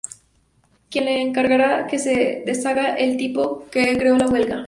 Quien le encargará que se deshaga del tipo que creó la huelga.